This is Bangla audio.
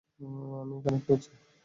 আমি এটা কানেক্ট করছি।